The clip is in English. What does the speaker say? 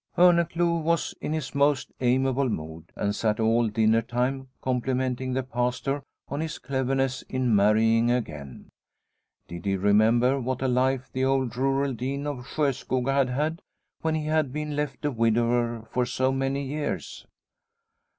Orneclou was in his most amiable mood and sat all dinner time complimenting the Pastor on his cleverness in marrying again. Did he remember what a life the old rural dean of Sjoskoga had had when he had been left a widower for so many years